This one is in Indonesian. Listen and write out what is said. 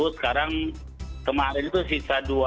sekarang kemarin itu sisa dua ratus empat belas